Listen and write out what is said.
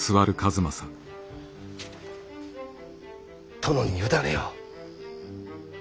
殿に委ねよう。